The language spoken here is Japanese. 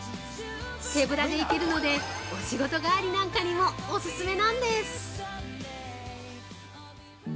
手ぶらで行けるのでお仕事帰りなんかにもオススメなんです！